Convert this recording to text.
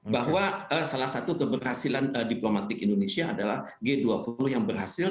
bahwa salah satu keberhasilan diplomatik indonesia adalah g dua puluh yang berhasil